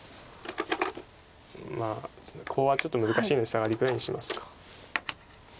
まあコウはちょっと難しいのでサガリぐらいにしますか。